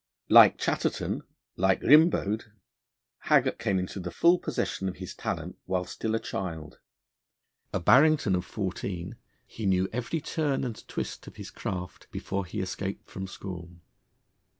Like Chatterton, like Rimbaud, Haggart came into the full possession of his talent while still a child. A Barrington of fourteen, he knew every turn and twist of his craft, before he escaped from school.